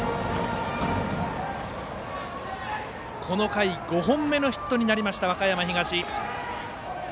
この回５本目のヒットになりました和歌山東。